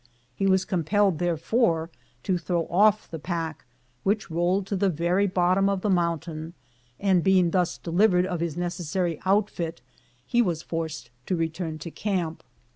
He was compelled, therefore, to throw off the pack, which rolled to the very bottom of the mountain, and being thus delivered of his necessary outfit, he was forced to return to camp.